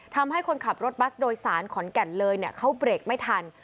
ทำให้คนขับรถบัสโดยสารขอนแก่นเลยเขาเบรกไม่ทัน